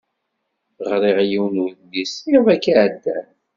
Ɣriɣ yiwen udlis iḍ-agi iɛeddan.